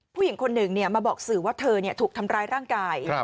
ผู้หญิงคนหนึ่งมาบอกสื่อว่าเธอถูกทำร้ายร่างกาย